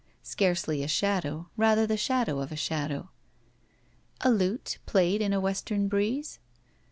Scarcely a shadow, rather the shadow of a shadow. A lute, played in a western breeze?